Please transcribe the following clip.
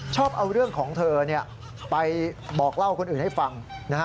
ชอบเอาเรื่องของเธอไปบอกเล่าคนอื่นให้ฟังนะฮะ